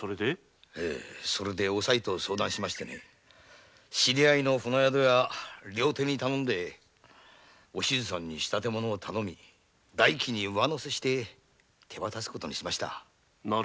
それでおさいと相談し知り合いの船宿や料亭に頼んでお静さんに仕立物を頼み代金に上乗せして手渡す事にしました。